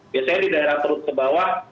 biasanya di daerah perut ke bawah